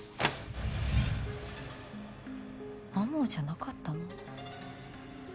天羽じゃなかったの？